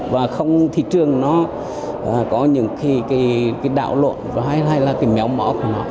và không thị trường nó có những cái đạo luận hay là cái méo mỏ của nó